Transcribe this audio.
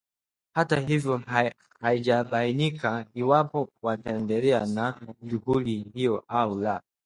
hata hivyo, haijabainika iwapo wataendelea na shughuli hiyo au la